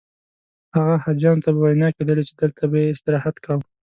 هغه حاجیانو ته به ویناوې کېدلې چې دلته به یې استراحت کاوه.